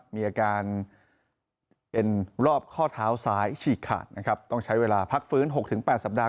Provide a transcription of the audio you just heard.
มีอาการเอ็นรอบข้อเท้าซ้ายฉีกขาดนะครับต้องใช้เวลาพักฟื้น๖๘สัปดาห